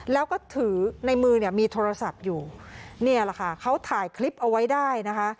แล้วก็ถือในมือเนี่ยมีโทรศัพท์อยู่เนี่ยแหละค่ะเขาถ่ายคลิปเอาไว้ได้นะคะ